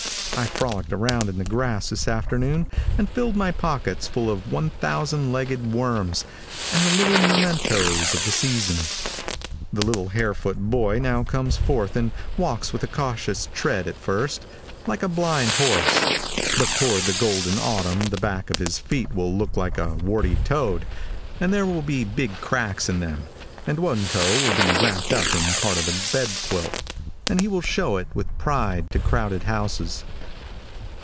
I frolicked around in the grass this afternoon and filled my pockets full of 1000 legged worms, and other little mementoes of the season. The little hare foot boy now comes forth and walks with a cautious tread at first, like a blind horse; but toward the golden autumn the backs of his feet will look like a warty toad, and there will be big cracks in them, and one toe will be wrapped up in part of a bed quilt, and he will show it with pride to crowded houses.